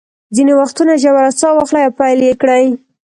ځینې وختونه ژوره ساه واخلئ او پیل یې کړئ.